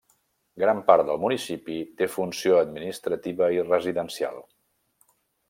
Gran part del municipi té funció administrativa i residencial.